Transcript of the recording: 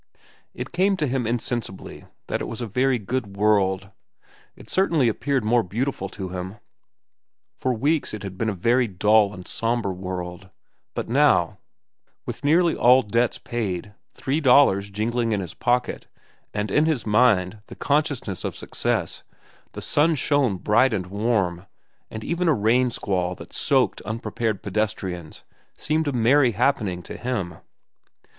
It came to him insensibly that it was a very good world. It certainly appeared more beautiful to him. For weeks it had been a very dull and sombre world; but now, with nearly all debts paid, three dollars jingling in his pocket, and in his mind the consciousness of success, the sun shone bright and warm, and even a rain squall that soaked unprepared pedestrians seemed a merry happening to him.